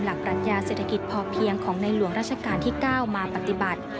ปรัชญาเศรษฐกิจพอเพียงของในหลวงราชการที่๙มาปฏิบัติ